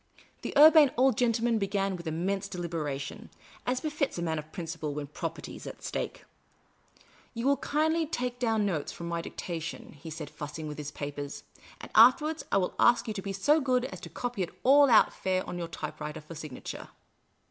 The Urbane Old Gentleman began with immense delibera tion, as befits a man of principle when Property is at stake. " You will kindly take down notes from my dictation," he 1 68 Miss Cayley's Adventures said, fussing with bis papers ;" and afterwards I will ask you to be so good as to copy it all out fair on your typewriter for signature."